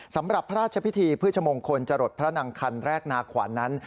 สำหรับพระราชพิธีพฤชมงคลจรดพระนางคันแรกนาขวัญนั้น